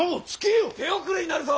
手遅れになるぞ！